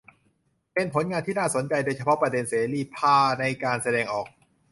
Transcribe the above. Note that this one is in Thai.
เป็นผลงานที่น่าสนใจโดยเฉพาะประเด็นเสรีภาในการแสดงออก